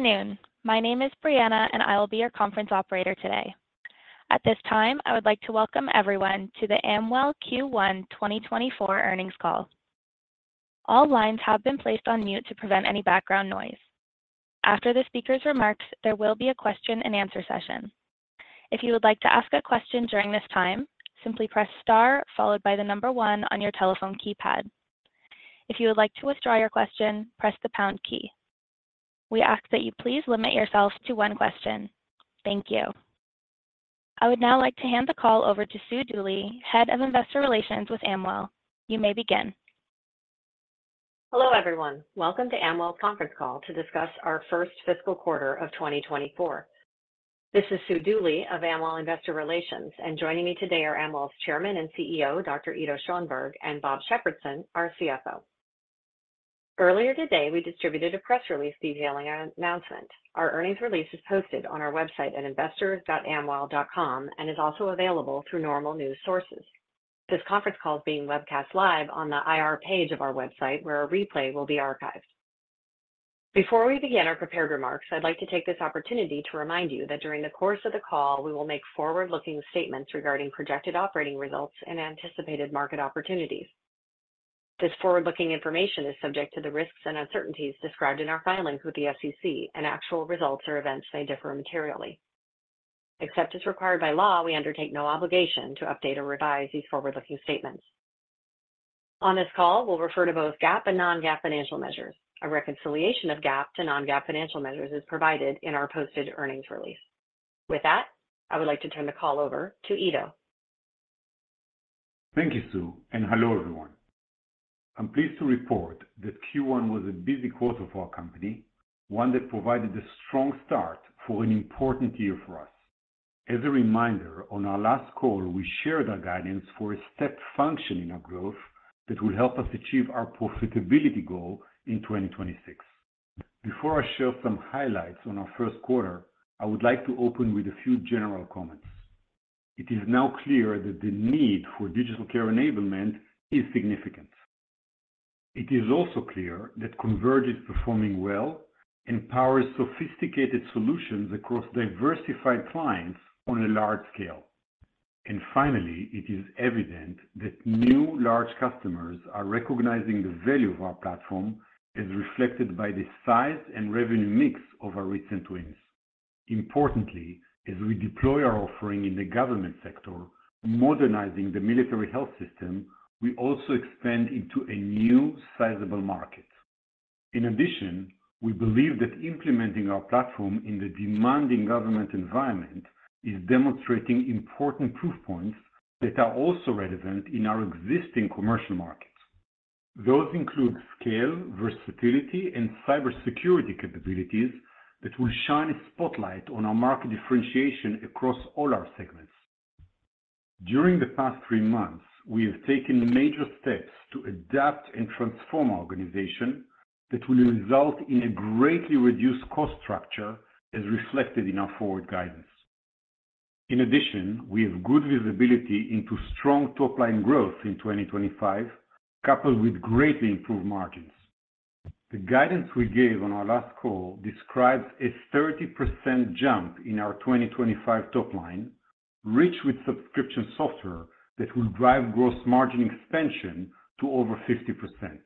Good afternoon. My name is Brianna and I will be your conference operator today. At this time, I would like to welcome everyone to the Amwell Q1 2024 earnings call. All lines have been placed on mute to prevent any background noise. After the speaker's remarks, there will be a question-and-answer session. If you would like to ask a question during this time, simply press star followed by the number 1 on your telephone keypad. If you would like to withdraw your question, press the pound key. We ask that you please limit yourself to one question. Thank you. I would now like to hand the call over to Sue Dooley, Head of Investor Relations with Amwell. You may begin. Hello everyone. Welcome to Amwell's conference call to discuss our first fiscal quarter of 2024. This is Sue Dooley of Amwell Investor Relations, and joining me today are Amwell's chairman and CEO, Dr. Ido Schoenberg, and Bob Shepardson, our CFO. Earlier today, we distributed a press release detailing our announcement. Our earnings release is posted on our website at investors.amwell.com and is also available through normal news sources. This conference call is being webcast live on the IR page of our website, where a replay will be archived. Before we begin our prepared remarks, I'd like to take this opportunity to remind you that during the course of the call, we will make forward-looking statements regarding projected operating results and anticipated market opportunities. This forward-looking information is subject to the risks and uncertainties described in our filings with the SEC, and actual results or events may differ materially. Except as required by law, we undertake no obligation to update or revise these forward-looking statements. On this call, we'll refer to both GAAP and non-GAAP financial measures. A reconciliation of GAAP to non-GAAP financial measures is provided in our posted earnings release. With that, I would like to turn the call over to Ido. Thank you, Sue, and hello everyone. I'm pleased to report that Q1 was a busy quarter for our company, one that provided a strong start for an important year for us. As a reminder, on our last call, we shared our guidance for a step function of growth that will help us achieve our profitability goal in 2026. Before I share some highlights on our first quarter, I would like to open with a few general comments. It is now clear that the need for digital care enablement is significant. It is also clear that Converge is performing well and powers sophisticated solutions across diversified clients on a large scale. And finally, it is evident that new large customers are recognizing the value of our platform as reflected by the size and revenue mix of our recent wins. Importantly, as we deploy our offering in the government sector, modernizing the Military Health System, we also expand into a new sizable market. In addition, we believe that implementing our platform in the demanding government environment is demonstrating important proof points that are also relevant in our existing commercial markets. Those include scale, versatility, and cybersecurity capabilities that will shine a spotlight on our market differentiation across all our segments. During the past three months, we have taken major steps to adapt and transform our organization that will result in a greatly reduced cost structure as reflected in our forward guidance. In addition, we have good visibility into strong top-line growth in 2025, coupled with greatly improved margins. The guidance we gave on our last call describes a 30% jump in our 2025 top line, rich with subscription software that will drive gross margin expansion to over 50%.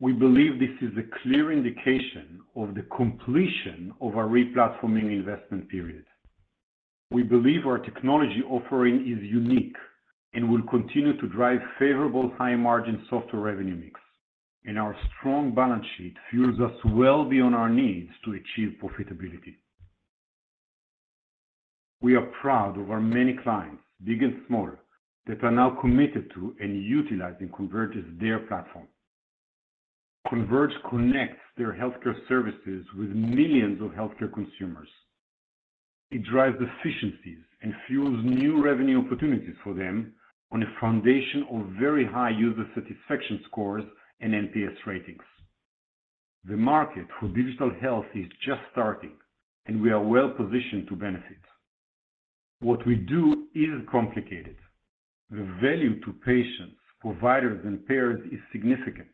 We believe this is a clear indication of the completion of our replatforming investment period. We believe our technology offering is unique and will continue to drive favorable high-margin software revenue mix, and our strong balance sheet fuels us well beyond our needs to achieve profitability. We are proud of our many clients, big and small, that are now committed to and utilizing Converge as their platform. Converge connects their healthcare services with millions of healthcare consumers. It drives efficiencies and fuels new revenue opportunities for them on a foundation of very high user satisfaction scores and NPS ratings. The market for digital health is just starting, and we are well positioned to benefit. What we do is complicated. The value to patients, providers, and payers is significant,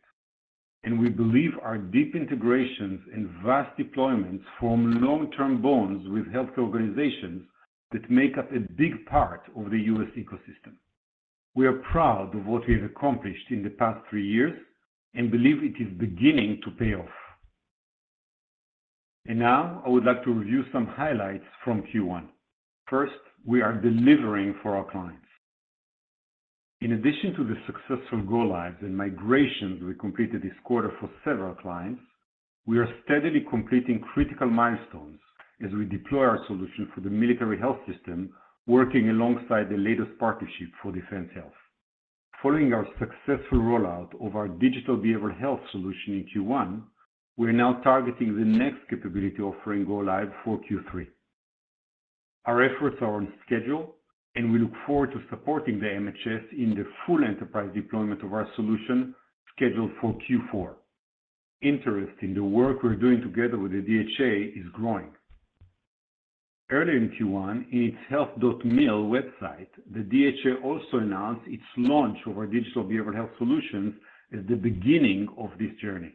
and we believe our deep integrations and vast deployments form long-term bonds with healthcare organizations that make up a big part of the U.S. ecosystem. We are proud of what we have accomplished in the past three years and believe it is beginning to pay off. And now, I would like to review some highlights from Q1. First, we are delivering for our clients. In addition to the successful go-lives and migrations we completed this quarter for several clients, we are steadily completing critical milestones as we deploy our solution for the Military Health System, working alongside the Leidos Partnership for Defense Health. Following our successful rollout of our digital behavioral health solution in Q1, we are now targeting the next capability offering go-live for Q3. Our efforts are on schedule, and we look forward to supporting the MHS in the full enterprise deployment of our solution scheduled for Q4. Interest in the work we're doing together with the DHA is growing. Earlier in Q1, in its health.mil website, the DHA also announced its launch of our digital behavioral health solutions as the beginning of this journey.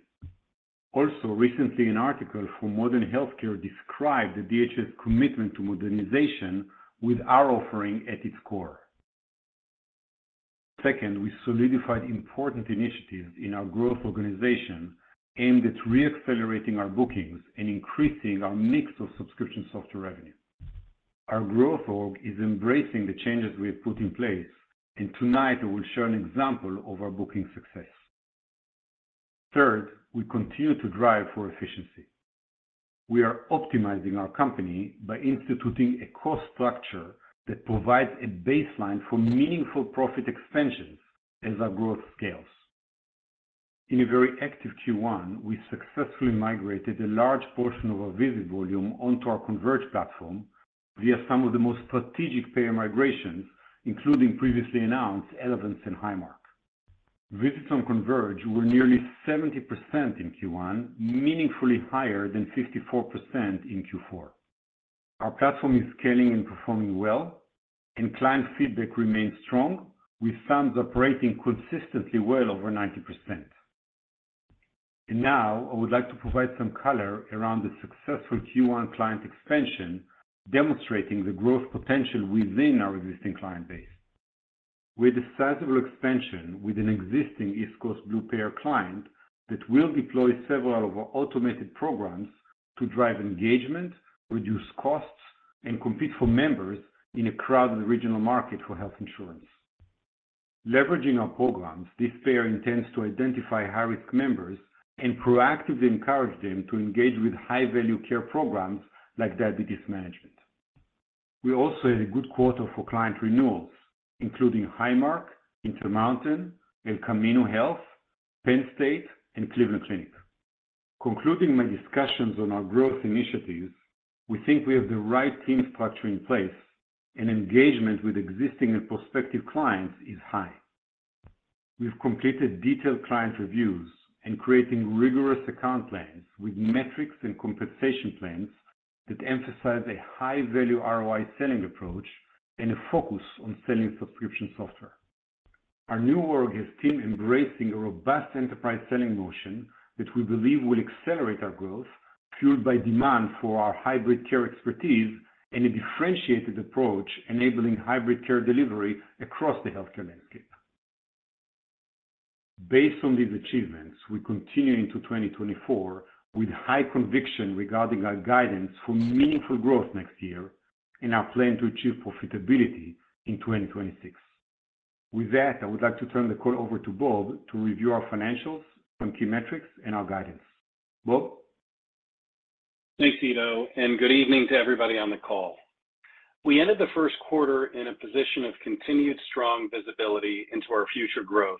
Also, recently, an article from Modern Healthcare described the DHA's commitment to modernization with our offering at its core. Second, we solidified important initiatives in our growth organization aimed at reaccelerating our bookings and increasing our mix of subscription software revenue. Our growth org is embracing the changes we have put in place, and tonight, I will share an example of our booking success. Third, we continue to drive for efficiency. We are optimizing our company by instituting a cost structure that provides a baseline for meaningful profit expansions as our growth scales. In a very active Q1, we successfully migrated a large portion of our visit volume onto our Converge platform via some of the most strategic payer migrations, including previously announced Elevance and Highmark. Visits on Converge were nearly 70% in Q1, meaningfully higher than 54% in Q4. Our platform is scaling and performing well, and client feedback remains strong, with sums operating consistently well over 90%. And now, I would like to provide some color around the successful Q1 client expansion, demonstrating the growth potential within our existing client base. We had a sizable expansion with an existing East Coast Blue Payer client that will deploy several of our automated programs to drive engagement, reduce costs, and compete for members in a crowded regional market for health insurance. Leveraging our programs, this payer intends to identify high-risk members and proactively encourage them to engage with high-value care programs like diabetes management. We also had a good quarter for client renewals, including Highmark, Intermountain, El Camino Health, Penn State, and Cleveland Clinic. Concluding my discussions on our growth initiatives, we think we have the right team structure in place, and engagement with existing and prospective clients is high. We've completed detailed client reviews and created rigorous account plans with metrics and compensation plans that emphasize a high-value ROI selling approach and a focus on selling subscription software. Our new org has a team embracing a robust enterprise selling motion that we believe will accelerate our growth, fueled by demand for our hybrid care expertise and a differentiated approach enabling hybrid care delivery across the healthcare landscape. Based on these achievements, we continue into 2024 with high conviction regarding our guidance for meaningful growth next year and our plan to achieve profitability in 2026. With that, I would like to turn the call over to Bob to review our financials, some key metrics, and our guidance. Bob? Thanks, Ido, and good evening to everybody on the call. We ended the first quarter in a position of continued strong visibility into our future growth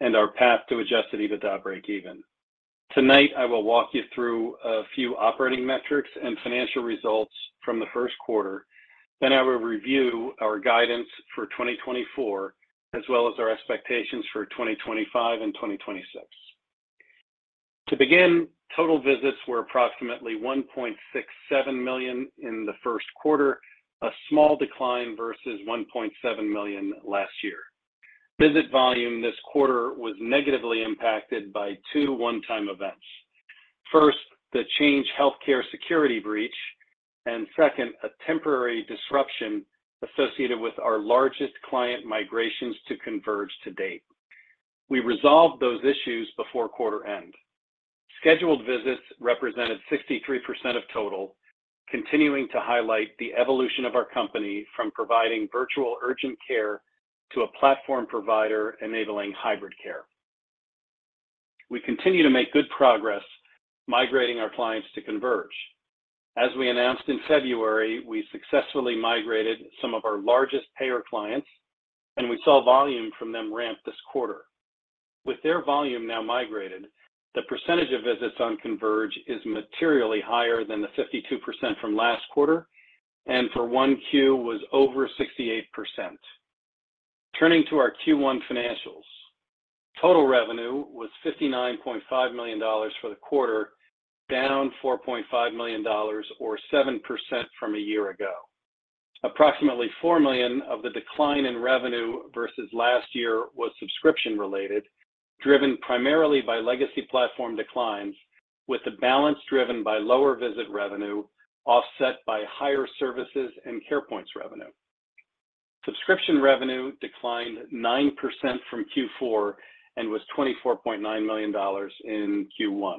and our path to adjusting to that break-even. Tonight, I will walk you through a few operating metrics and financial results from the first quarter, then I will review our guidance for 2024 as well as our expectations for 2025 and 2026. To begin, total visits were approximately 1.67 million in the first quarter, a small decline versus 1.7 million last year. Visit volume this quarter was negatively impacted by two one-time events. First, the Change Healthcare security breach, and second, a temporary disruption associated with our largest client migrations to Converge to date. We resolved those issues before quarter end. Scheduled visits represented 63% of total, continuing to highlight the evolution of our company from providing virtual urgent care to a platform provider enabling hybrid care. We continue to make good progress migrating our clients to Converge. As we announced in February, we successfully migrated some of our largest payer clients, and we saw volume from them ramp this quarter. With their volume now migrated, the percentage of visits on Converge is materially higher than the 52% from last quarter, and for Q1 was over 68%. Turning to our Q1 financials, total revenue was $59.5 million for the quarter, down $4.5 million or 7% from a year ago. Approximately $4 million of the decline in revenue versus last year was subscription-related, driven primarily by legacy platform declines, with the balance driven by lower visit revenue offset by higher services and Carepoints revenue. Subscription revenue declined 9% from Q4 and was $24.9 million in Q1.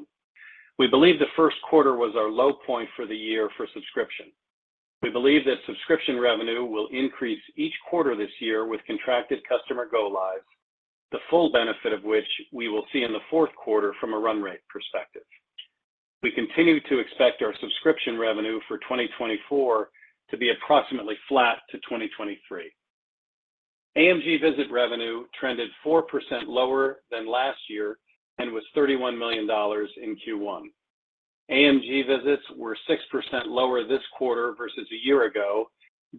We believe the first quarter was our low point for the year for subscription. We believe that subscription revenue will increase each quarter this year with contracted customer go-lives, the full benefit of which we will see in the fourth quarter from a run-rate perspective. We continue to expect our subscription revenue for 2024 to be approximately flat to 2023. AMG visit revenue trended 4% lower than last year and was $31 million in Q1. AMG visits were 6% lower this quarter versus a year ago,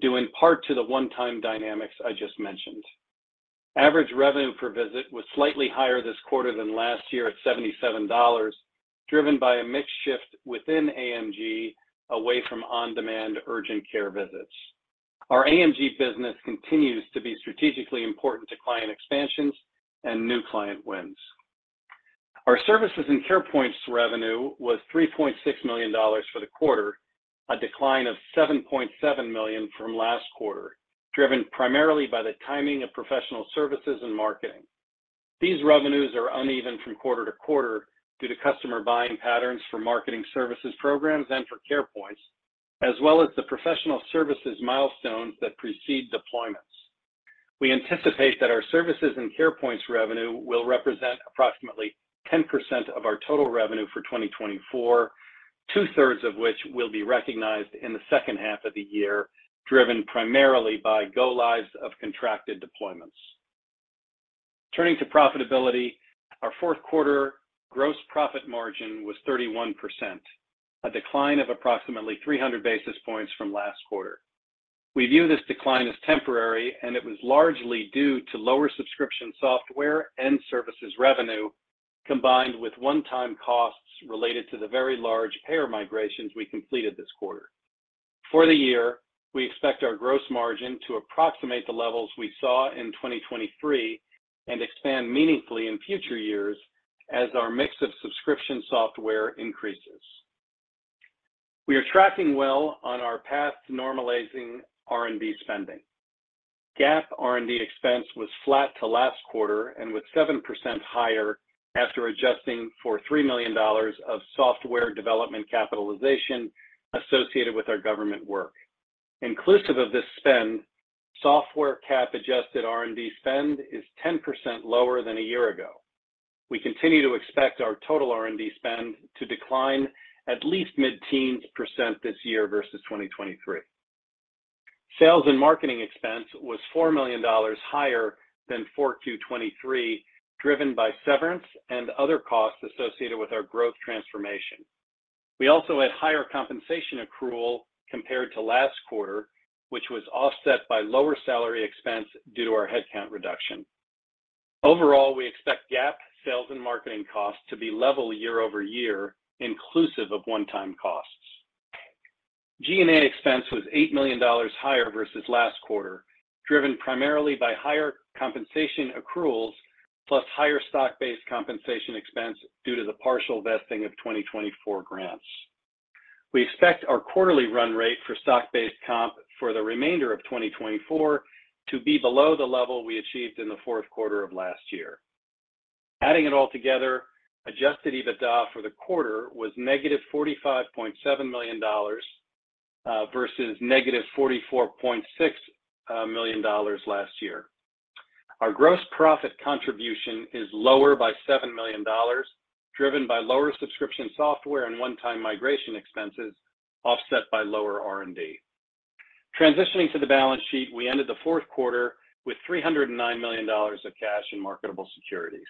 due in part to the one-time dynamics I just mentioned. Average revenue per visit was slightly higher this quarter than last year at $77, driven by a mixed shift within AMG away from on-demand urgent care visits. Our AMG business continues to be strategically important to client expansions and new client wins. Our services and Carepoints revenue was $3.6 million for the quarter, a decline of $7.7 million from last quarter, driven primarily by the timing of professional services and marketing. These revenues are uneven from quarter to quarter due to customer buying patterns for marketing services programs and for Carepoints, as well as the professional services milestones that precede deployments. We anticipate that our services and Carepoints revenue will represent approximately 10% of our total revenue for 2024, two-thirds of which will be recognized in the second half of the year, driven primarily by go-lives of contracted deployments. Turning to profitability, our fourth quarter gross profit margin was 31%, a decline of approximately 300 basis points from last quarter. We view this decline as temporary, and it was largely due to lower subscription software and services revenue combined with one-time costs related to the very large payer migrations we completed this quarter. For the year, we expect our gross margin to approximate the levels we saw in 2023 and expand meaningfully in future years as our mix of subscription software increases. We are tracking well on our path to normalizing R&D spending. GAAP R&D expense was flat to last quarter and was 7% higher after adjusting for $3 million of software development capitalization associated with our government work. Inclusive of this spend, software cap adjusted R&D spend is 10% lower than a year ago. We continue to expect our total R&D spend to decline at least mid-teens% this year versus 2023. Sales and marketing expense was $4 million higher than 4Q23, driven by severance and other costs associated with our growth transformation. We also had higher compensation accrual compared to last quarter, which was offset by lower salary expense due to our headcount reduction. Overall, we expect GAAP sales and marketing costs to be level YoY, inclusive of one-time costs. G&A expense was $8 million higher versus last quarter, driven primarily by higher compensation accruals plus higher stock-based compensation expense due to the partial vesting of 2024 grants. We expect our quarterly run-rate for stock-based comp for the remainder of 2024 to be below the level we achieved in the fourth quarter of last year. Adding it all together, adjusted EBITDA for the quarter was negative $45.7 million versus negative $44.6 million last year. Our gross profit contribution is lower by $7 million, driven by lower subscription software and one-time migration expenses offset by lower R&D. Transitioning to the balance sheet, we ended the fourth quarter with $309 million of cash and marketable securities.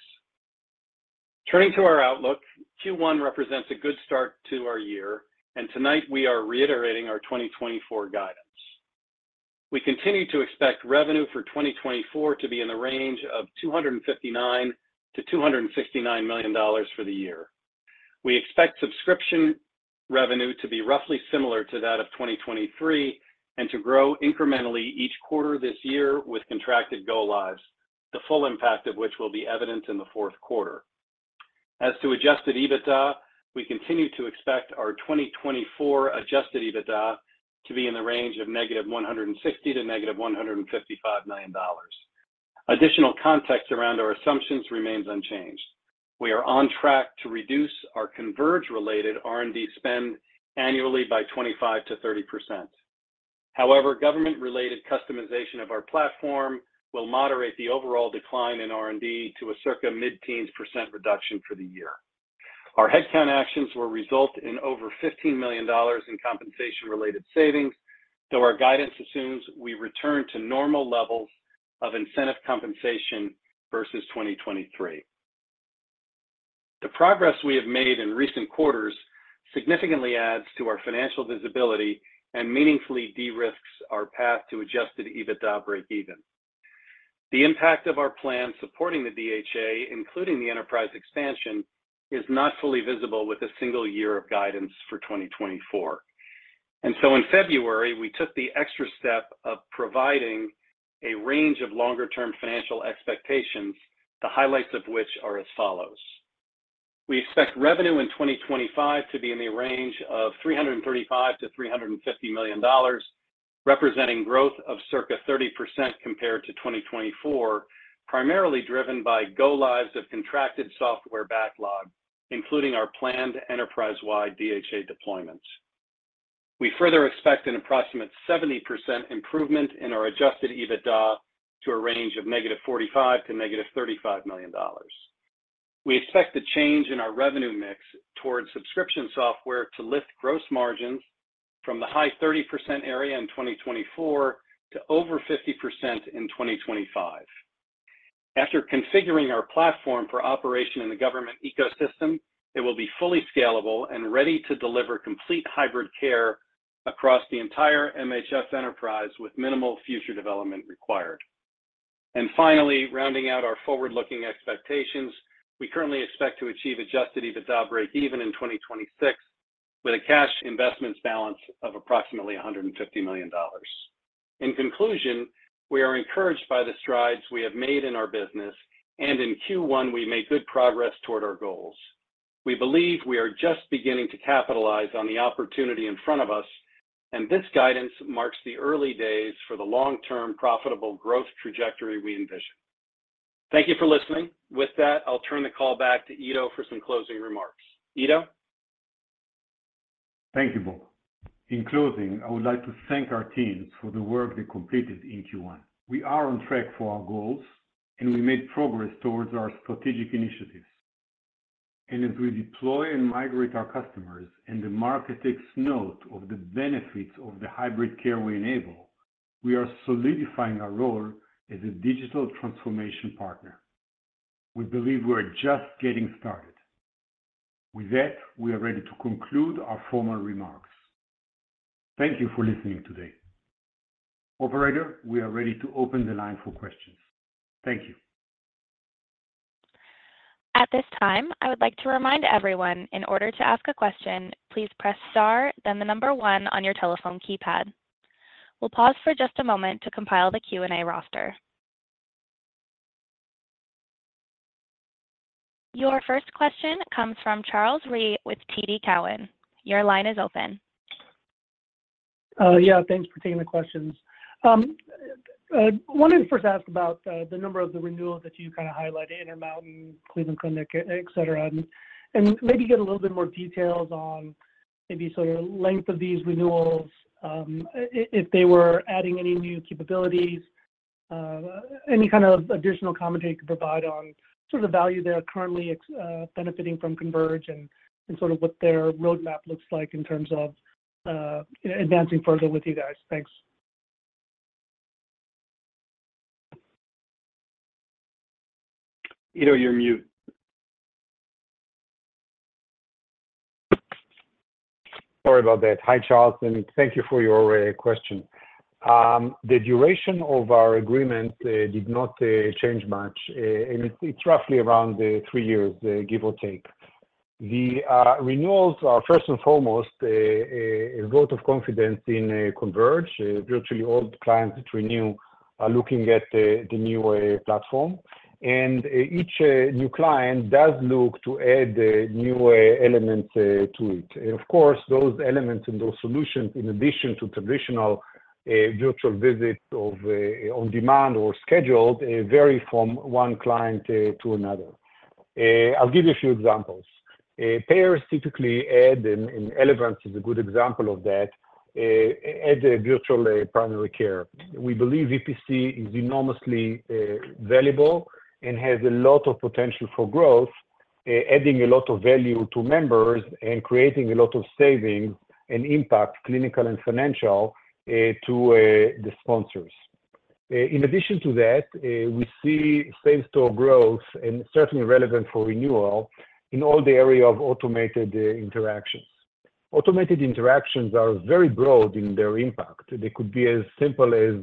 Turning to our outlook, Q1 represents a good start to our year, and tonight, we are reiterating our 2024 guidance. We continue to expect revenue for 2024 to be in the range of $259-$269 million for the year. We expect subscription revenue to be roughly similar to that of 2023 and to grow incrementally each quarter this year with contracted go-lives, the full impact of which will be evident in the fourth quarter. As to Adjusted EBITDA, we continue to expect our 2024 Adjusted EBITDA to be in the range of negative $160-negative $155 million. Additional context around our assumptions remains unchanged. We are on track to reduce our Converge-related R&D spend annually by 25%-30%. However, government-related customization of our platform will moderate the overall decline in R&D to a circa mid-teens% reduction for the year. Our headcount actions will result in over $15 million in compensation-related savings, though our guidance assumes we return to normal levels of incentive compensation versus 2023. The progress we have made in recent quarters significantly adds to our financial visibility and meaningfully de-risks our path to Adjusted EBITDA break-even. The impact of our plan supporting the DHA, including the enterprise expansion, is not fully visible with a single year of guidance for 2024. And so in February, we took the extra step of providing a range of longer-term financial expectations, the highlights of which are as follows. We expect revenue in 2025 to be in the range of $335-$350 million, representing growth of circa 30% compared to 2024, primarily driven by go-lives of contracted software backlog, including our planned enterprise-wide DHA deployments. We further expect an approximate 70% improvement in our adjusted EBITDA to a range of -$45 to -$35 million. We expect the change in our revenue mix towards subscription software to lift gross margins from the high 30% area in 2024 to over 50% in 2025. After configuring our platform for operation in the government ecosystem, it will be fully scalable and ready to deliver complete hybrid care across the entire MHS enterprise with minimal future development required. Finally, rounding out our forward-looking expectations, we currently expect to achieve adjusted EBITDA break-even in 2026 with a cash investments balance of approximately $150 million. In conclusion, we are encouraged by the strides we have made in our business, and in Q1, we made good progress toward our goals. We believe we are just beginning to capitalize on the opportunity in front of us, and this guidance marks the early days for the long-term profitable growth trajectory we envision. Thank you for listening. With that, I'll turn the call back to Ido for some closing remarks. Ido? Thank you, Bob. In closing, I would like to thank our teams for the work they completed in Q1. We are on track for our goals, and we made progress towards our strategic initiatives. And as we deploy and migrate our customers and the market takes note of the benefits of the hybrid care we enable, we are solidifying our role as a digital transformation partner. We believe we're just getting started. With that, we are ready to conclude our formal remarks. Thank you for listening today. Operator, we are ready to open the line for questions. Thank you. At this time, I would like to remind everyone, in order to ask a question, please press star, then the number one on your telephone keypad. We'll pause for just a moment to compile the Q&A roster. Your first question comes from Charles Rhyee with TD Cowen. Your line is open. Yeah. Thanks for taking the questions. I wanted to first ask about the number of the renewals that you kind of highlighted: Intermountain, Cleveland Clinic, etc. And maybe get a little bit more details on maybe sort of length of these renewals, if they were adding any new capabilities, any kind of additional commentary you could provide on sort of the value they're currently benefiting from Converge and sort of what their roadmap looks like in terms of advancing further with you guys. Thanks. Ido, you're mute. Sorry about that. Hi, Charles. Thank you for your question. The duration of our agreement did not change much, and it's roughly around three years, give or take. The renewals are, first and foremost, a vote of confidence in Converge. Virtually all clients that renew are looking at the new platform. Each new client does look to add new elements to it. Of course, those elements and those solutions, in addition to traditional virtual visits on demand or scheduled, vary from one client to another. I'll give you a few examples. Payers typically add, and Elevance is a good example of that, add virtual primary care. We believe VPC is enormously valuable and has a lot of potential for growth, adding a lot of value to members and creating a lot of savings and impact, clinical and financial, to the sponsors. In addition to that, we see software growth, and certainly relevant for renewal, in all the area of automated interactions. Automated interactions are very broad in their impact. They could be as simple as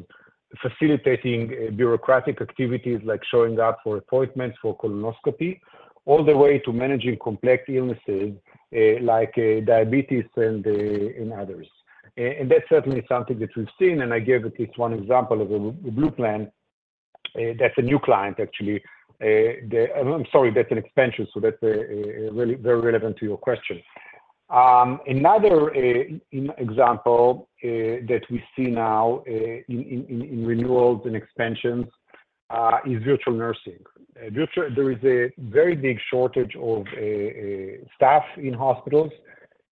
facilitating bureaucratic activities like showing up for appointments for colonoscopy, all the way to managing complex illnesses like diabetes and others. And that's certainly something that we've seen. And I gave at least one example of a Blue Plan. That's a new client, actually. I'm sorry. That's an expansion, so that's very relevant to your question. Another example that we see now in renewals and expansions is Virtual Nursing. There is a very big shortage of staff in hospitals,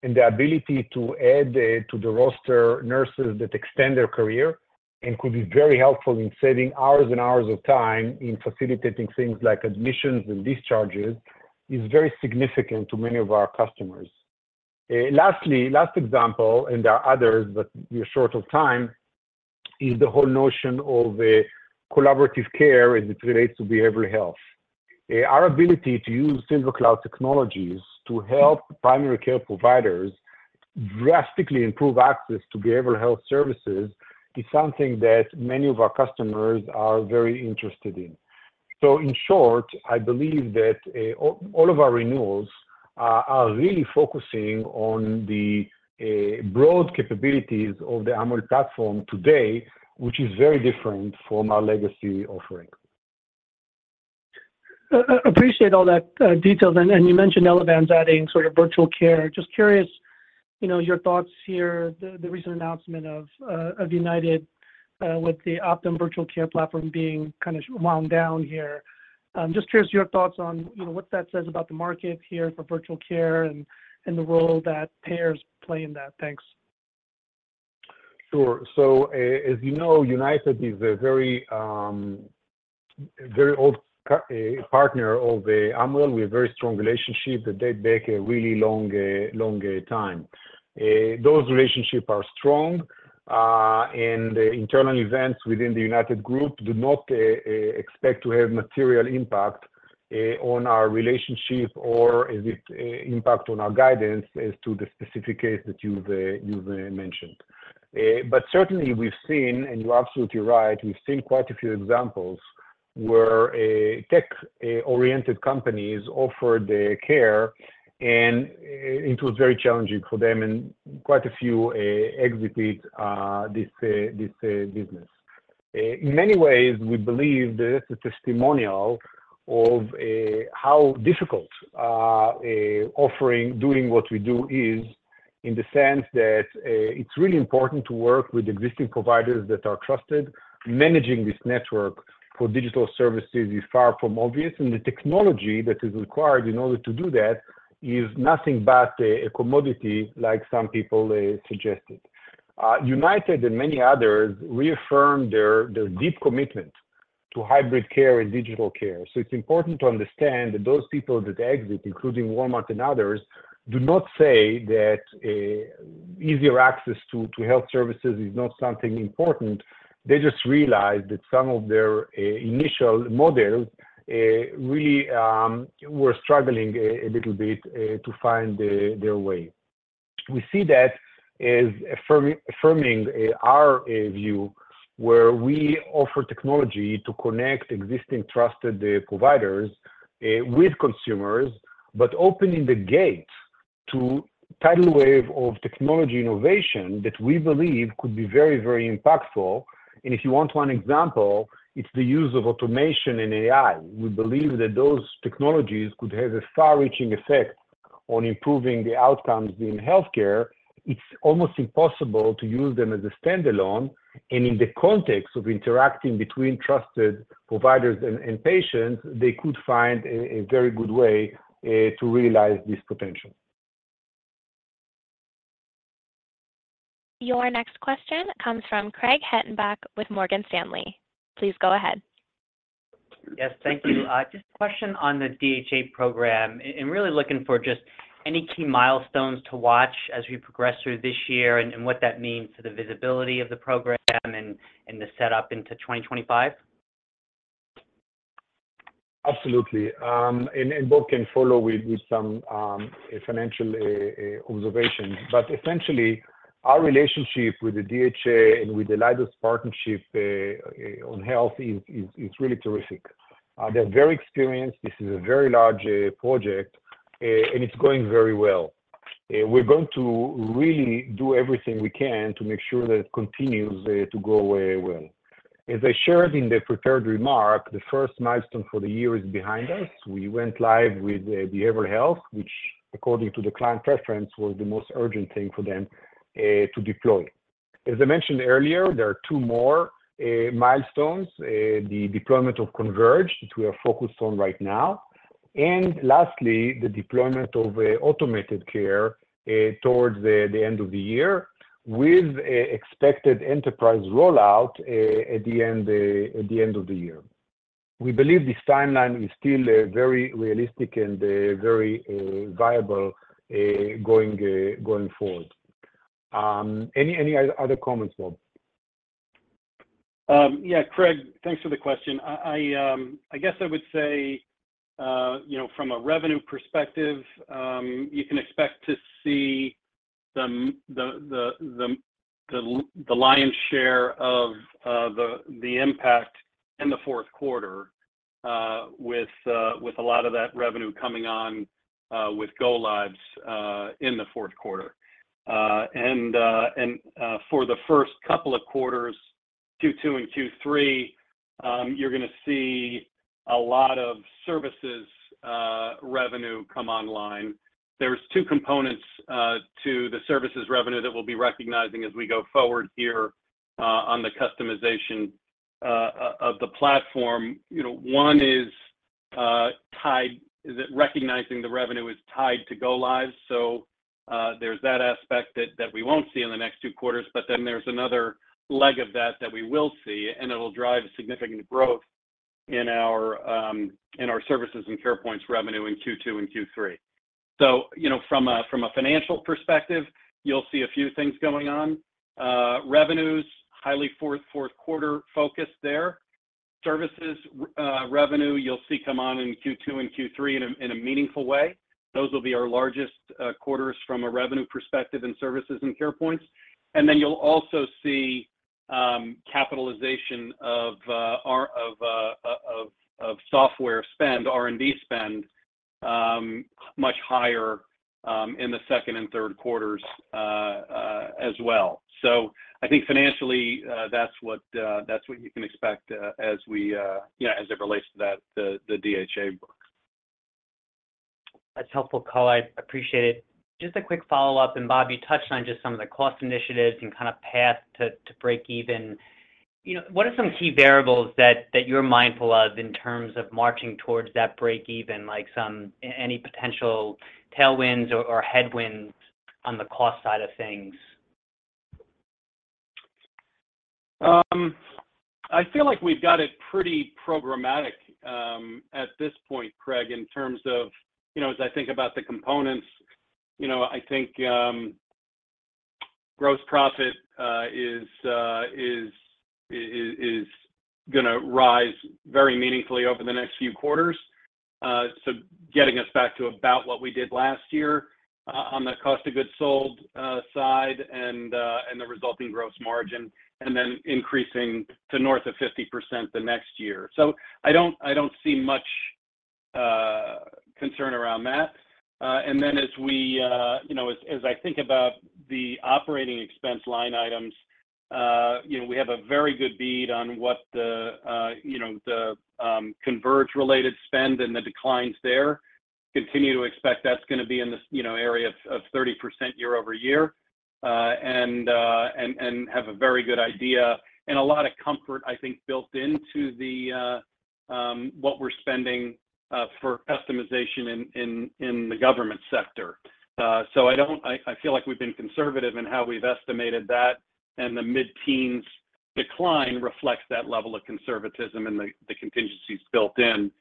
and the ability to add to the roster nurses that extend their career and could be very helpful in saving hours and hours of time in facilitating things like admissions and discharges is very significant to many of our customers. Last example, and there are others, but we're short of time, is the whole notion of collaborative care as it relates to behavioral health. Our ability to use SilverCloud technologies to help primary care providers drastically improve access to behavioral health services is something that many of our customers are very interested in. So in short, I believe that all of our renewals are really focusing on the broad capabilities of the Amwell platform today, which is very different from our legacy offering. Appreciate all those details. You mentioned Elevance adding sort of virtual care. Just curious your thoughts here, the recent announcement of United with the Optum virtual care platform being kind of wound down here. Just curious your thoughts on what that says about the market here for virtual care and the role that payers play in that. Thanks. Sure. So as you know, United is a very old partner of Amwell. We have a very strong relationship that date back a really long time. Those relationships are strong. And internal events within the United group do not expect to have material impact on our relationship or impact on our guidance as to the specific case that you've mentioned. But certainly, we've seen - and you're absolutely right - we've seen quite a few examples where tech-oriented companies offered care, and it was very challenging for them, and quite a few exited this business. In many ways, we believe that that's a testimonial of how difficult doing what we do is in the sense that it's really important to work with existing providers that are trusted. Managing this network for digital services is far from obvious. The technology that is required in order to do that is nothing but a commodity, like some people suggested. United and many others reaffirm their deep commitment to hybrid care and digital care. So it's important to understand that those people that exit, including Walmart and others, do not say that easier access to health services is not something important. They just realize that some of their initial models really were struggling a little bit to find their way. We see that as affirming our view, where we offer technology to connect existing trusted providers with consumers but opening the gate to a tidal wave of technology innovation that we believe could be very, very impactful. And if you want one example, it's the use of automation and AI. We believe that those technologies could have a far-reaching effect on improving the outcomes in healthcare. It's almost impossible to use them as a standalone. In the context of interacting between trusted providers and patients, they could find a very good way to realize this potential. Your next question comes from Craig Hettenbach with Morgan Stanley. Please go ahead. Yes. Thank you. Just a question on the DHA program and really looking for just any key milestones to watch as we progress through this year and what that means for the visibility of the program and the setup into 2025? Absolutely. And Bob can follow with some financial observations. But essentially, our relationship with the DHA and with the Leidos partnership on health is really terrific. They're very experienced. This is a very large project, and it's going very well. We're going to really do everything we can to make sure that it continues to go well. As I shared in the prepared remark, the first milestone for the year is behind us. We went live with behavioral health, which, according to the client preference, was the most urgent thing for them to deploy. As I mentioned earlier, there are two more milestones: the deployment of Converge that we are focused on right now, and lastly, the deployment of automated care towards the end of the year with expected enterprise rollout at the end of the year. We believe this timeline is still very realistic and very viable going forward. Any other comments, Bob? Yeah. Craig, thanks for the question. I guess I would say, from a revenue perspective, you can expect to see the lion's share of the impact in the fourth quarter with a lot of that revenue coming on with go-lives in the fourth quarter. And for the first couple of quarters, Q2 and Q3, you're going to see a lot of services revenue come online. There's two components to the services revenue that we'll be recognizing as we go forward here on the customization of the platform. One is recognizing the revenue is tied to go-lives. So there's that aspect that we won't see in the next two quarters. But then there's another leg of that that we will see, and it'll drive significant growth in our services and Carepoints revenue in Q2 and Q3. So from a financial perspective, you'll see a few things going on. Revenues, highly fourth quarter-focused there. Services revenue, you'll see come on in Q2 and Q3 in a meaningful way. Those will be our largest quarters from a revenue perspective in services and Carepoints. And then you'll also see capitalization of software spend, R&D spend, much higher in the second and third quarters as well. So I think, financially, that's what you can expect as it relates to the DHA work. That's helpful, Cole. I appreciate it. Just a quick follow-up. Bob, you touched on just some of the cost initiatives and kind of path to break even. What are some key variables that you're mindful of in terms of marching towards that break even, like any potential tailwinds or headwinds on the cost side of things? I feel like we've got it pretty programmatic at this point, Craig, in terms of as I think about the components, I think gross profit is going to rise very meaningfully over the next few quarters, so getting us back to about what we did last year on the cost of goods sold side and the resulting gross margin, and then increasing to north of 50% the next year. So I don't see much concern around that. And then as I think about the operating expense line items, we have a very good bead on what the Converge-related spend and the declines there. Continue to expect that's going to be in the area of 30% year-over-year and have a very good idea and a lot of comfort, I think, built into what we're spending for customization in the government sector. So I feel like we've been conservative in how we've estimated that. And the mid-teens decline reflects that level of conservatism and the contingencies built in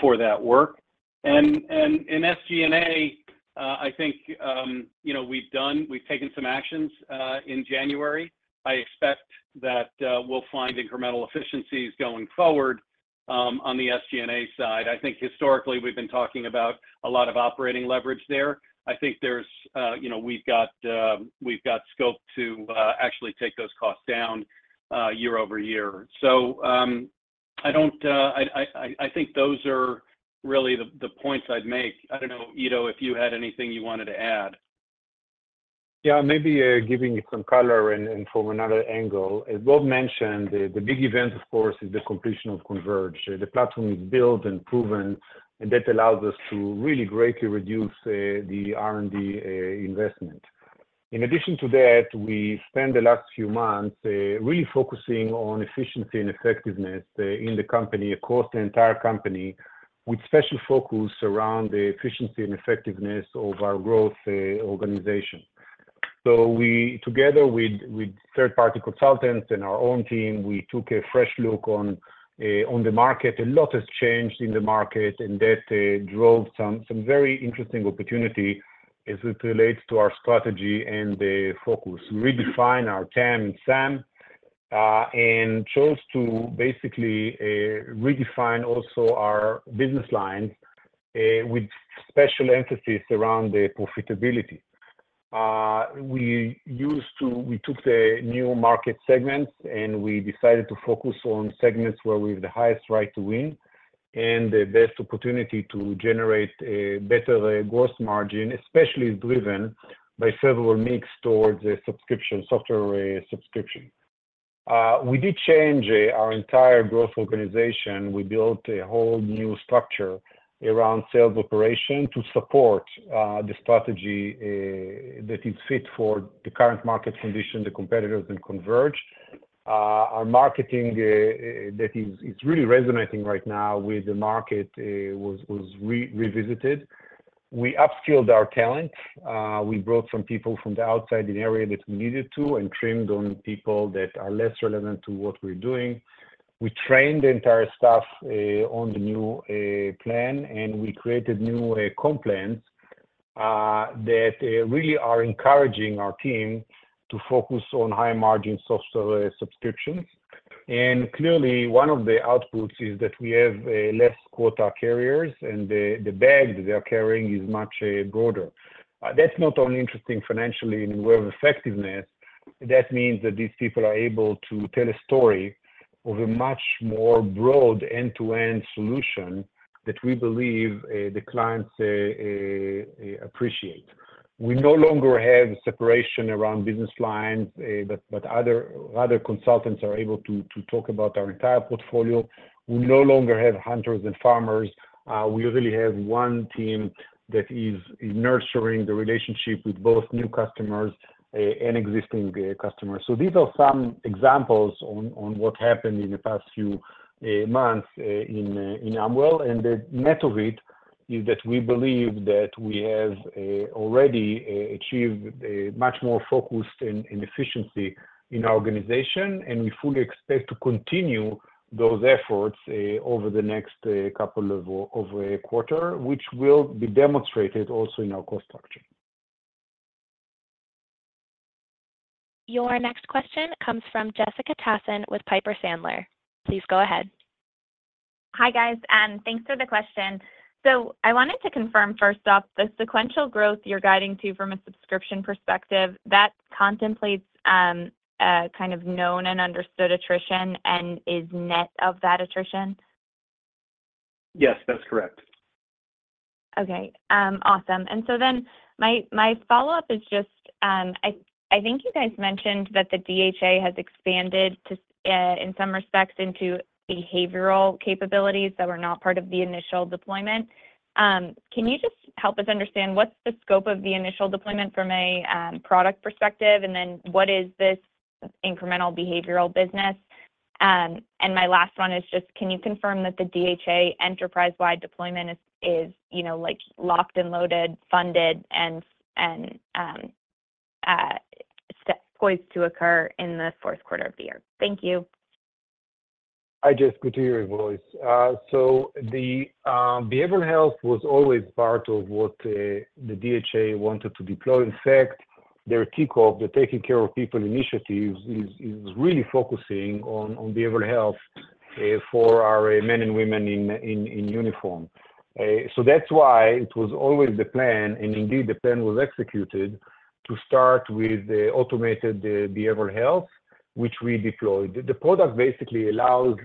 for that work. And in SG&A, I think we've taken some actions in January. I expect that we'll find incremental efficiencies going forward on the SG&A side. I think, historically, we've been talking about a lot of operating leverage there. I think we've got scope to actually take those costs down year-over-year. So I think those are really the points I'd make. I don't know, Ido, if you had anything you wanted to add. Yeah. Maybe giving it some color and from another angle. Bob mentioned the big event, of course, is the completion of Converge. The platform is built and proven, and that allows us to really greatly reduce the R&D investment. In addition to that, we spent the last few months really focusing on efficiency and effectiveness in the company, across the entire company, with special focus around the efficiency and effectiveness of our growth organization. So together with third-party consultants and our own team, we took a fresh look on the market. A lot has changed in the market, and that drove some very interesting opportunity as it relates to our strategy and focus. We redefined our TAM and SAM and chose to basically redefine also our business lines with special emphasis around the profitability. We took the new market segments, and we decided to focus on segments where we have the highest right to win and the best opportunity to generate better gross margin, especially driven by federal mix towards software subscriptions. We did change our entire growth organization. We built a whole new structure around sales operation to support the strategy that is fit for the current market condition, the competitors, and Converge. Our marketing that is really resonating right now with the market was revisited. We upskilled our talent. We brought some people from the outside in the area that we needed to and trimmed on people that are less relevant to what we're doing. We trained the entire staff on the new plan, and we created new comp plans that really are encouraging our team to focus on high-margin software subscriptions. Clearly, one of the outputs is that we have less quota carriers, and the bag that they're carrying is much broader. That's not only interesting financially in the way of effectiveness. That means that these people are able to tell a story of a much more broad end-to-end solution that we believe the clients appreciate. We no longer have separation around business lines, but other consultants are able to talk about our entire portfolio. We no longer have hunters and farmers. We really have one team that is nurturing the relationship with both new customers and existing customers. So these are some examples on what happened in the past few months in Amwell. The net of it is that we believe that we have already achieved much more focus and efficiency in our organization, and we fully expect to continue those efforts over the next couple of quarters, which will be demonstrated also in our cost structure. Your next question comes from Jessica Tassan with Piper Sandler. Please go ahead. Hi, guys. Thanks for the question. I wanted to confirm, first off, the sequential growth you're guiding to from a subscription perspective, that contemplates kind of known and understood attrition and is net of that attrition? Yes. That's correct. Okay. Awesome. And so then my follow-up is just I think you guys mentioned that the DHA has expanded, in some respects, into behavioral capabilities that were not part of the initial deployment. Can you just help us understand what's the scope of the initial deployment from a product perspective, and then what is this incremental behavioral business? And my last one is just, can you confirm that the DHA enterprise-wide deployment is locked and loaded, funded, and poised to occur in the fourth quarter of the year? Thank you. I just go to your voice. So the behavioral health was always part of what the DHA wanted to deploy. In fact, their takeoff, the taking care of people initiative, is really focusing on behavioral health for our men and women in uniform. So that's why it was always the plan. And indeed, the plan was executed to start with automated behavioral health, which we deployed. The product basically allows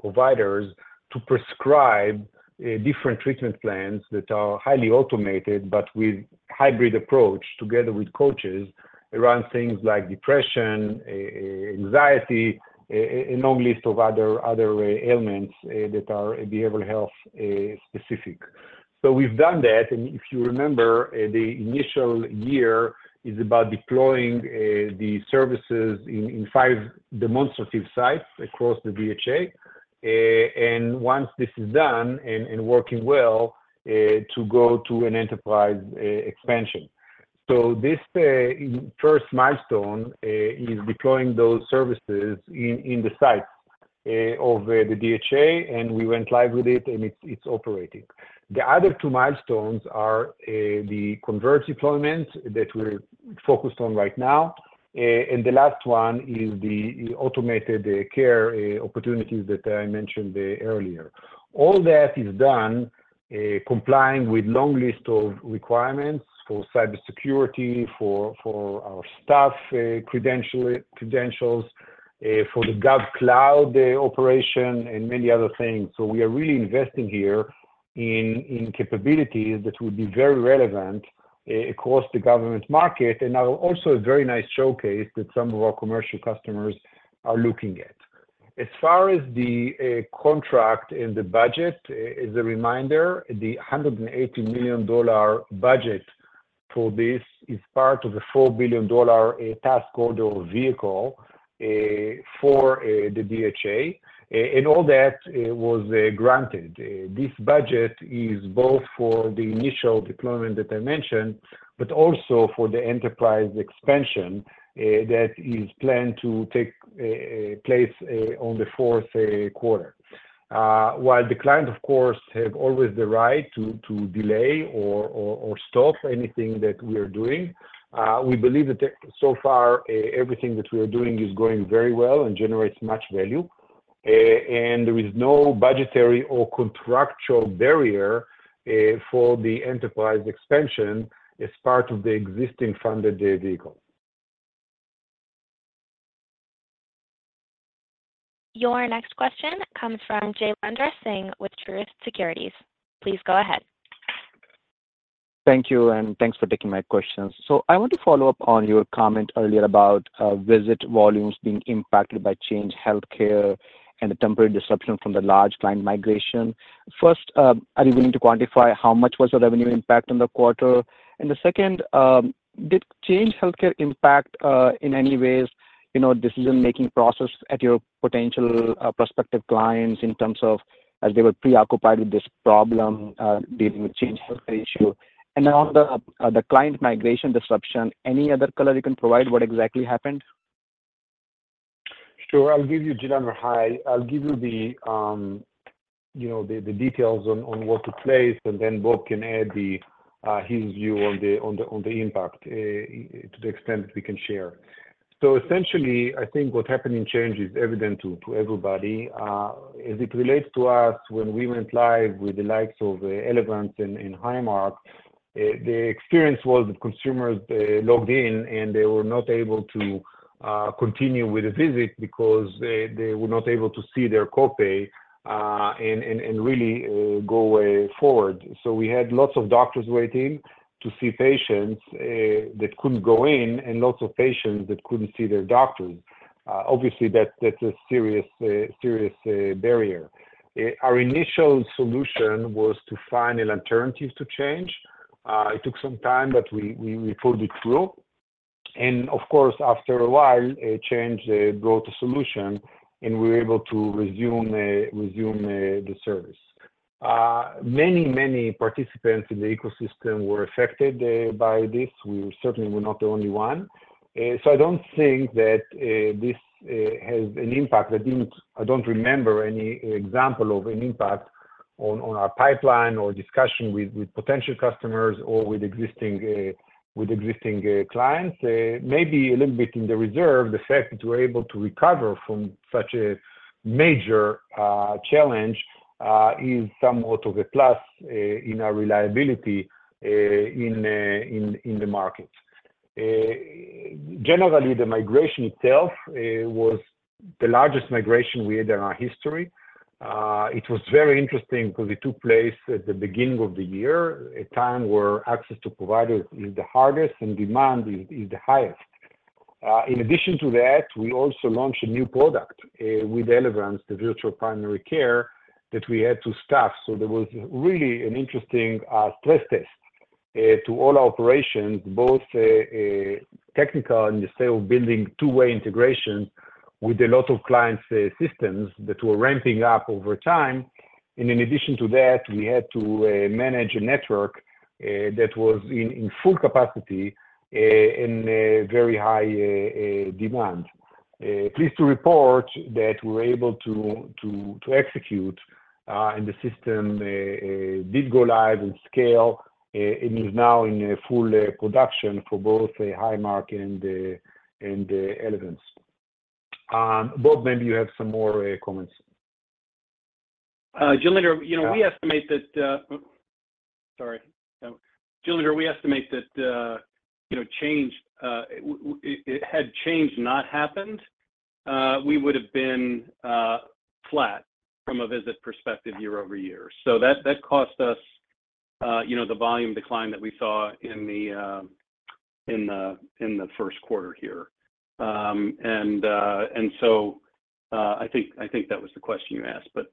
providers to prescribe different treatment plans that are highly automated but with hybrid approach together with coaches around things like depression, anxiety, and a long list of other ailments that are behavioral health specific. So we've done that. And if you remember, the initial year is about deploying the services in five demonstrative sites across the DHA. And once this is done and working well, to go to an enterprise expansion. So this first milestone is deploying those services in the sites of the DHA. And we went live with it, and it's operating. The other two milestones are the Converge deployment that we're focused on right now. And the last one is the automated care opportunities that I mentioned earlier. All that is done complying with a long list of requirements for cybersecurity, for our staff credentials, for the GovCloud operation, and many other things. So we are really investing here in capabilities that would be very relevant across the government market and are also a very nice showcase that some of our commercial customers are looking at. As far as the contract and the budget, as a reminder, the $180 million budget for this is part of a $4 billion task order vehicle for the DHA. And all that was granted. This budget is both for the initial deployment that I mentioned but also for the enterprise expansion that is planned to take place on the fourth quarter. While the client, of course, have always the right to delay or stop anything that we are doing, we believe that, so far, everything that we are doing is going very well and generates much value. There is no budgetary or contractual barrier for the enterprise expansion as part of the existing funded vehicle. Your next question comes from Jailendra Singh with Truist Securities. Please go ahead. Thank you. Thanks for taking my questions. I want to follow up on your comment earlier about visit volumes being impacted by Change Healthcare and the temporary disruption from the large client migration. First, are you willing to quantify how much was the revenue impact in the quarter? And the second, did Change Healthcare impact in any ways decision-making process at your potential prospective clients in terms of as they were preoccupied with this problem dealing with Change Healthcare issue? And on the client migration disruption, any other color you can provide what exactly happened? Sure. I'll give you Jailendra Singh. I'll give you the details on what took place, and then Bob can add his view on the impact to the extent that we can share. So essentially, I think what happened in Change is evident to everybody. As it relates to us, when we went live with the likes of Elevance and Highmark, the experience was that consumers logged in, and they were not able to continue with a visit because they were not able to see their copay and really go forward. So we had lots of doctors waiting to see patients that couldn't go in and lots of patients that couldn't see their doctors. Obviously, that's a serious barrier. Our initial solution was to find an alternative to Change. It took some time, but we pulled it through. Of course, after a while, Change brought a solution, and we were able to resume the service. Many, many participants in the ecosystem were affected by this. We certainly were not the only one. So I don't think that this has an impact. I don't remember any example of an impact on our pipeline or discussion with potential customers or with existing clients. Maybe a little bit in the reserve, the fact that we're able to recover from such a major challenge is somewhat of a plus in our reliability in the market. Generally, the migration itself was the largest migration we had in our history. It was very interesting because it took place at the beginning of the year, a time where access to providers is the hardest and demand is the highest. In addition to that, we also launched a new product with Elevance, the Virtual Primary Care, that we had to staff. So there was really an interesting stress test to all our operations, both technical in the scale of building two-way integration with a lot of clients' systems that were ramping up over time. And in addition to that, we had to manage a network that was in full capacity and very high demand. Pleased to report that we were able to execute, and the system did go live and scale, and is now in full production for both Highmark and Elevance. Bob, maybe you have some more comments. Jailendra, we estimate that, sorry. Jailendra, we estimate that change had change not happened, we would have been flat from a visit perspective year-over-year. So that cost us the volume decline that we saw in the first quarter here. And so I think that was the question you asked. But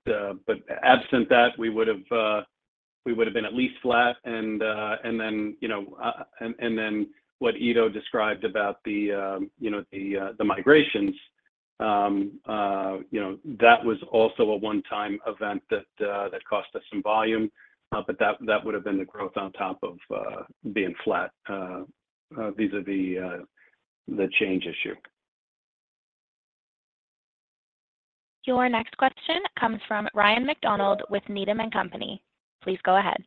absent that, we would have been at least flat. And then what Ido described about the migrations, that was also a one-time event that cost us some volume. But that would have been the growth on top of being flat vis-à-vis the change issue. Your next question comes from Ryan McDonald with Needham & Company. Please go ahead.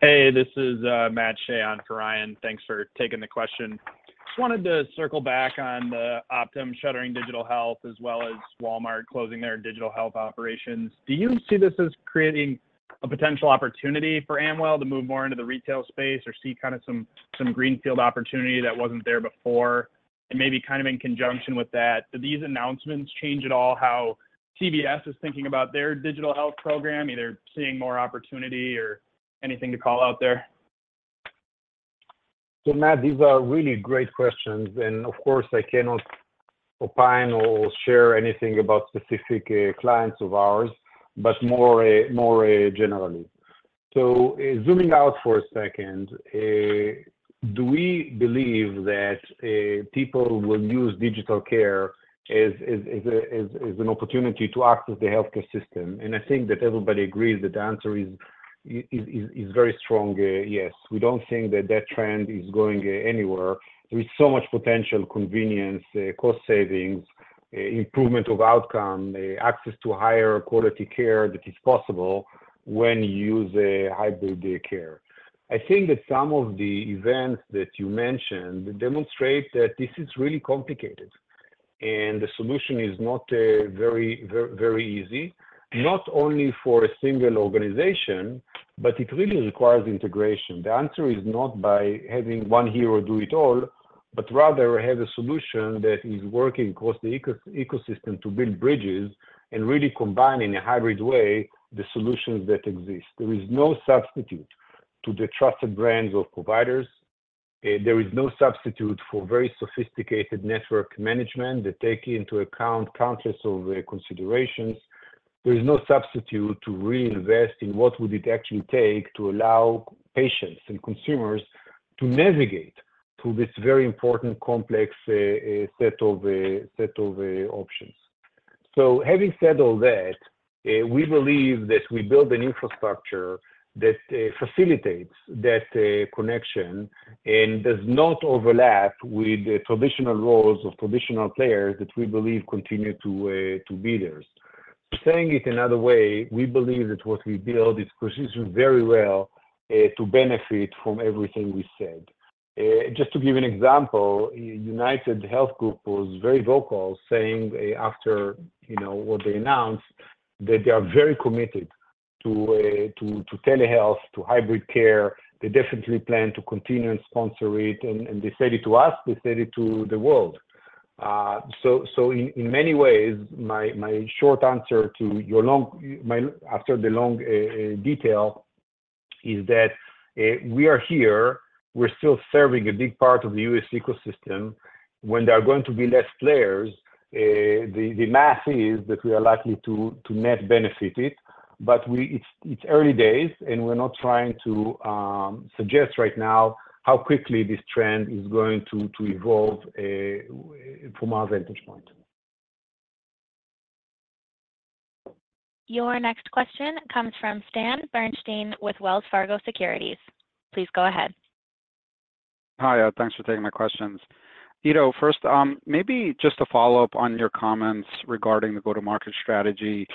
Hey. This is Matt Sheehan for Ryan. Thanks for taking the question. Just wanted to circle back on the Optum shuttering digital health as well as Walmart closing their digital health operations. Do you see this as creating a potential opportunity for Amwell to move more into the retail space or see kind of some greenfield opportunity that wasn't there before? And maybe kind of in conjunction with that, do these announcements change at all how CVS is thinking about their digital health program? Are they seeing more opportunity or anything to call out there? So Matt, these are really great questions. Of course, I cannot opine or share anything about specific clients of ours but more generally. Zooming out for a second, do we believe that people will use digital care as an opportunity to access the healthcare system? I think that everybody agrees that the answer is very strong, yes. We don't think that that trend is going anywhere. There is so much potential, convenience, cost savings, improvement of outcome, access to higher quality care that is possible when you use hybrid care. I think that some of the events that you mentioned demonstrate that this is really complicated, and the solution is not very, very easy, not only for a single organization, but it really requires integration. The answer is not by having one hero do it all but rather have a solution that is working across the ecosystem to build bridges and really combine in a hybrid way the solutions that exist. There is no substitute to the trusted brands of providers. There is no substitute for very sophisticated network management that take into account countless of considerations. There is no substitute to really invest in what would it actually take to allow patients and consumers to navigate through this very important, complex set of options. So having said all that, we believe that we build an infrastructure that facilitates that connection and does not overlap with the traditional roles of traditional players that we believe continue to be there. Saying it another way, we believe that what we build is positioned very well to benefit from everything we said. Just to give an example, UnitedHealth Group was very vocal saying after what they announced that they are very committed to telehealth, to hybrid care. They definitely plan to continue and sponsor it. And they said it to us. They said it to the world. So in many ways, my short answer to your after the long detail is that we are here. We're still serving a big part of the U.S. ecosystem. When there are going to be less players, the math is that we are likely to net benefit it. But it's early days, and we're not trying to suggest right now how quickly this trend is going to evolve from our vantage point. Your next question comes from Stan Berenshteyn with Wells Fargo Securities. Please go ahead. Hi, yeah. Thanks for taking my questions. Ido, first, maybe just a follow-up on your comments regarding the go-to-market strategy.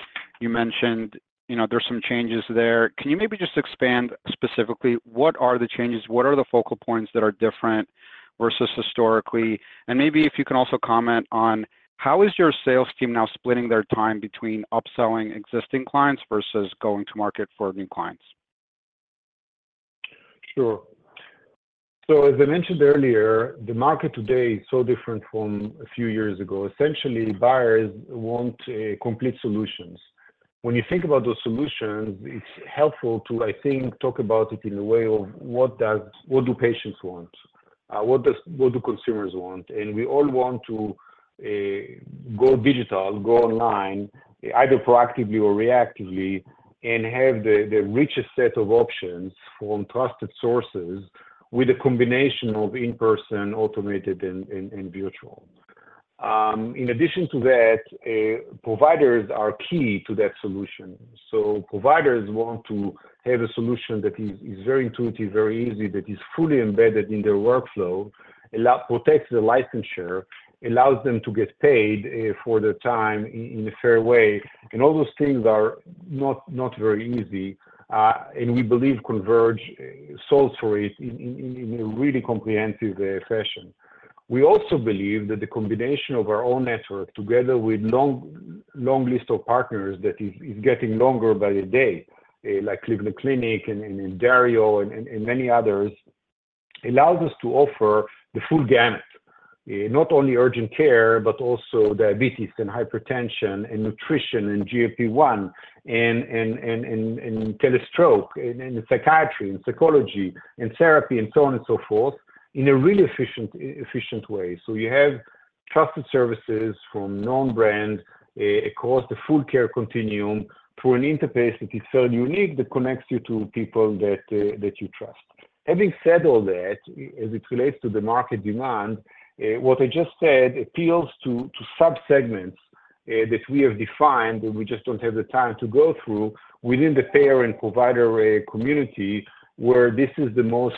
You mentioned there's some changes there. Can you maybe just expand specifically? What are the changes? What are the focal points that are different versus historically? And maybe if you can also comment on how is your sales team now splitting their time between upselling existing clients versus going to market for new clients? Sure. So as I mentioned earlier, the market today is so different from a few years ago. Essentially, buyers want complete solutions. When you think about those solutions, it's helpful to, I think, talk about it in a way of what do patients want? What do consumers want? And we all want to go digital, go online either proactively or reactively and have the richest set of options from trusted sources with a combination of in-person, automated, and virtual. In addition to that, providers are key to that solution. So providers want to have a solution that is very intuitive, very easy, that is fully embedded in their workflow, protects the licensure, allows them to get paid for their time in a fair way. And all those things are not very easy. And we believe Converge solves for it in a really comprehensive fashion. We also believe that the combination of our own network together with a long list of partners that is getting longer by the day, like Cleveland Clinic and DarioHealth and many others, allows us to offer the full gamut, not only urgent care but also diabetes and hypertension and nutrition and GLP-1 and telestroke and psychiatry and psychology and therapy and so on and so forth in a really efficient way. So you have trusted services from known brands across the full care continuum through an interface that is fairly unique that connects you to people that you trust. Having said all that, as it relates to the market demand, what I just said appeals to subsegments that we have defined that we just don't have the time to go through within the payer and provider community where this is the most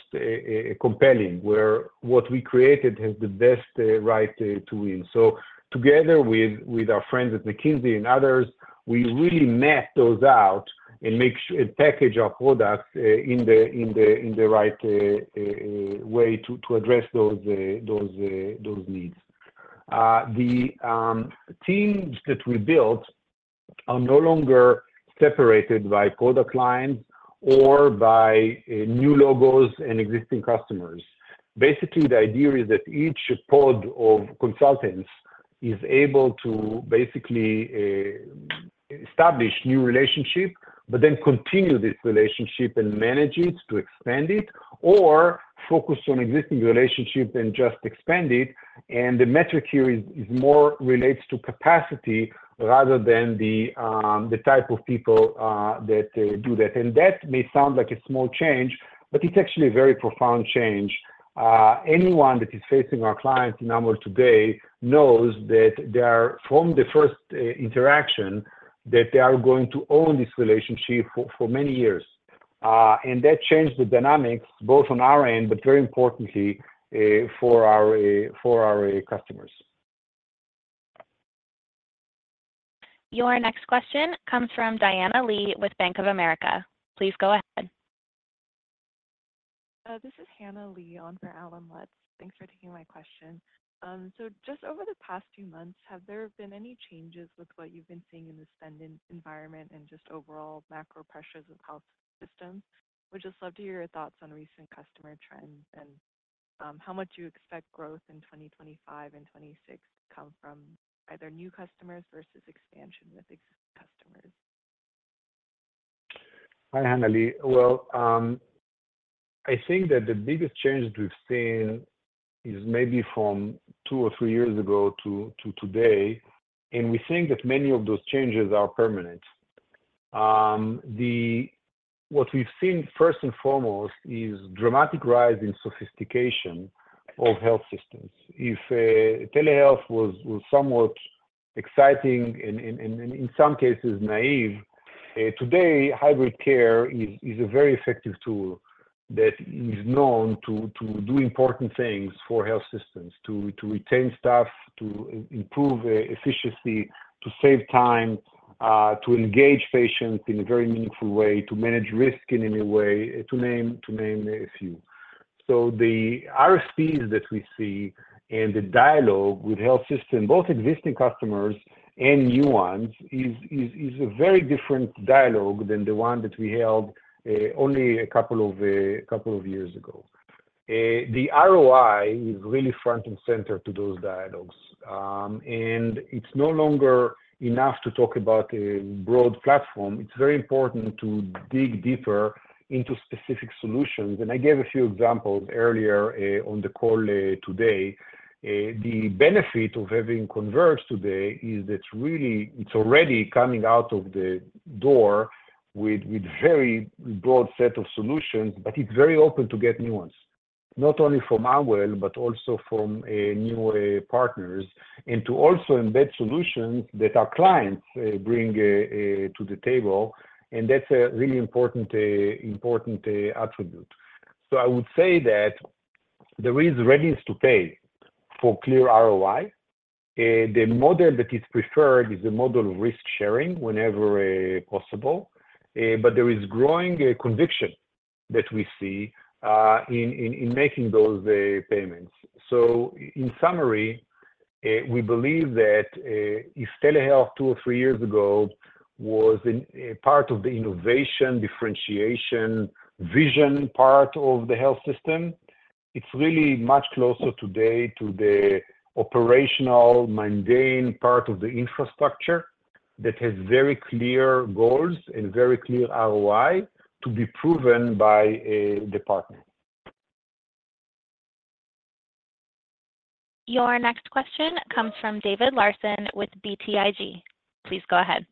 compelling, where what we created has the best right to win. So together with our friends at McKinsey and others, we really map those out and package our products in the right way to address those needs. The teams that we built are no longer separated by product lines or by new logos and existing customers. Basically, the idea is that each pod of consultants is able to basically establish new relationships but then continue this relationship and manage it to expand it or focus on existing relationships and just expand it. The metric here relates to capacity rather than the type of people that do that. That may sound like a small change, but it's actually a very profound change. Anyone that is facing our clients in Amwell today knows that from the first interaction, that they are going to own this relationship for many years. That changed the dynamics both on our end but very importantly for our customers. Your next question comes from Hannah Lee with Bank of America. Please go ahead. This is Hannah Lee on for Allen Lutz. Thanks for taking my question. So just over the past few months, have there been any changes with what you've been seeing in the spending environment and just overall macro pressures of health systems? We'd just love to hear your thoughts on recent customer trends and how much you expect growth in 2025 and 2026 to come from either new customers versus expansion with existing customers. Hi, Hannah Lee. Well, I think that the biggest change that we've seen is maybe from two or three years ago to today. We think that many of those changes are permanent. What we've seen first and foremost is a dramatic rise in sophistication of health systems. If telehealth was somewhat exciting and in some cases naive, today, hybrid care is a very effective tool that is known to do important things for health systems, to retain staff, to improve efficiency, to save time, to engage patients in a very meaningful way, to manage risk in any way, to name a few. So the RSPs that we see and the dialogue with health systems, both existing customers and new ones, is a very different dialogue than the one that we held only a couple of years ago. The ROI is really front and center to those dialogues. It's no longer enough to talk about a broad platform. It's very important to dig deeper into specific solutions. I gave a few examples earlier on the call today. The benefit of having Converge today is that it's already coming out of the door with a very broad set of solutions, but it's very open to get new ones, not only from Amwell but also from new partners and to also embed solutions that our clients bring to the table. That's a really important attribute. So I would say that there is readiness to pay for clear ROI. The model that is preferred is a model of risk-sharing whenever possible. But there is growing conviction that we see in making those payments. In summary, we believe that if telehealth two or three years ago was part of the innovation, differentiation, vision part of the health system, it's really much closer today to the operational, mundane part of the infrastructure that has very clear goals and very clear ROI to be proven by the partner. Your next question comes from David Larson with BTIG. Please go ahead.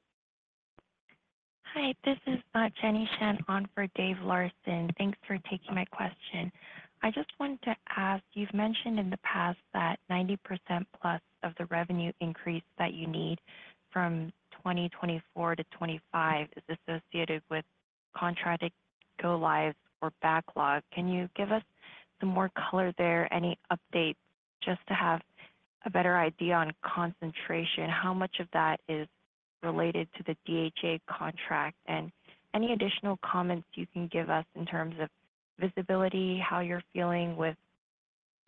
Hi. This is Jenny Shan on for Dave Larson. Thanks for taking my question. I just wanted to ask, you've mentioned in the past that 90%+ of the revenue increase that you need from 2024 to 2025 is associated with contracted go-lives or backlog. Can you give us some more color there, any updates just to have a better idea on concentration, how much of that is related to the DHA contract, and any additional comments you can give us in terms of visibility, how you're feeling with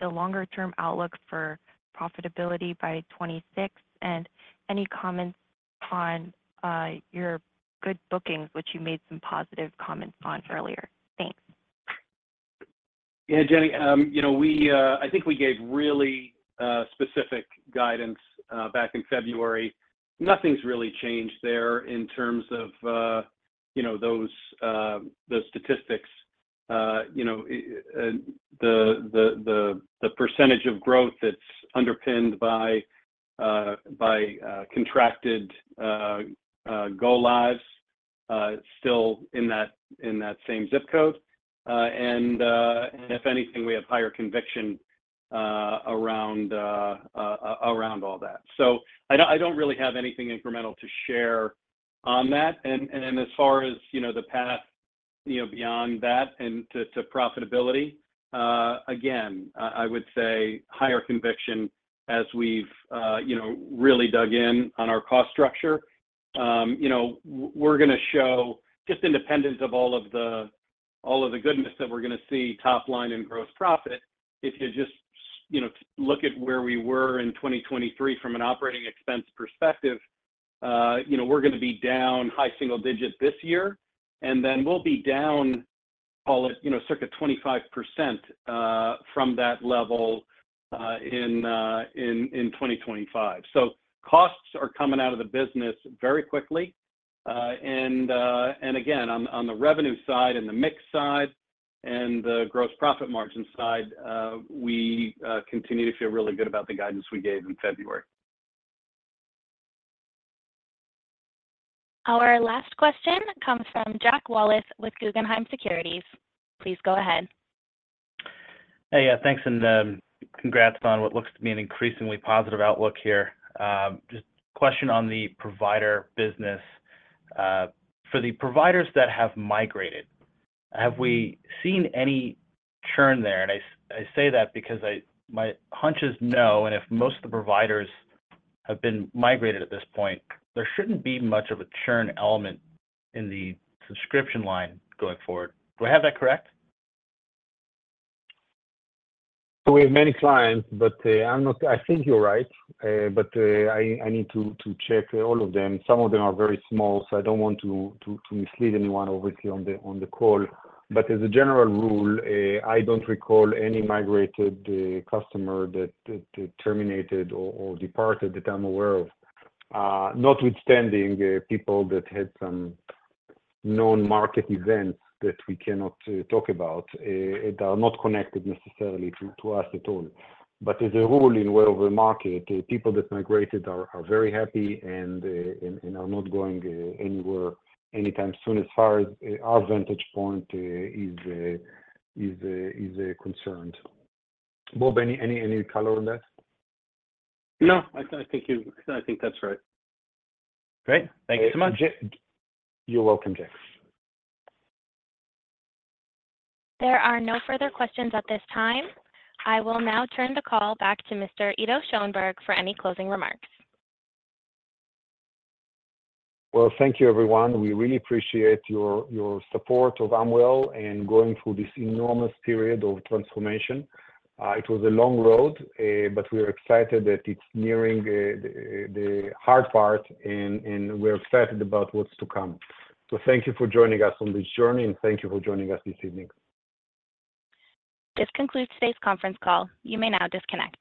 the longer-term outlook for profitability by 2026, and any comments on your good bookings, which you made some positive comments on earlier. Thanks. Yeah, Jenny. I think we gave really specific guidance back in February. Nothing's really changed there in terms of those statistics. The percentage of growth that's underpinned by contracted go-lives is still in that same zip code. And if anything, we have higher conviction around all that. So I don't really have anything incremental to share on that. And as far as the path beyond that and to profitability, again, I would say higher conviction as we've really dug in on our cost structure. We're going to show just independent of all of the goodness that we're going to see top line in gross profit, if you just look at where we were in 2023 from an operating expense perspective, we're going to be down high single-digit % this year. And then we'll be down, call it, circa 25% from that level in 2025. Costs are coming out of the business very quickly. Again, on the revenue side and the mix side and the gross profit margin side, we continue to feel really good about the guidance we gave in February. Our last question comes from Jack Wallace with Guggenheim Securities. Please go ahead. Hey, yeah. Thanks and congrats on what looks to be an increasingly positive outlook here. Just question on the provider business. For the providers that have migrated, have we seen any churn there? And I say that because my hunch is no. And if most of the providers have been migrated at this point, there shouldn't be much of a churn element in the subscription line going forward. Do I have that correct? We have many clients, but I think you're right. I need to check all of them. Some of them are very small, so I don't want to mislead anyone, obviously, on the call. As a general rule, I don't recall any migrated customer that terminated or departed that I'm aware of, notwithstanding people that had some known market events that we cannot talk about that are not connected necessarily to us at all. As a rule, in the world of the market, people that migrated are very happy and are not going anywhere anytime soon as far as our vantage point is concerned. Bob, any color on that? No, I think that's right. Great. Thank you so much. You're welcome, Jack. There are no further questions at this time. I will now turn the call back to Mr. Ido Schoenberg for any closing remarks. Well, thank you, everyone. We really appreciate your support of Amwell and going through this enormous period of transformation. It was a long road, but we are excited that it's nearing the hard part, and we're excited about what's to come. So thank you for joining us on this journey, and thank you for joining us this evening. This concludes today's conference call. You may now disconnect.